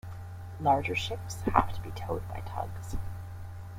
Larger ships have to be towed by tugs.